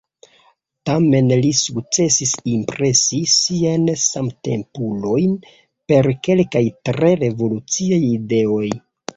Tamen li sukcesis impresi siajn samtempulojn per kelkaj tre revoluciaj ideoj.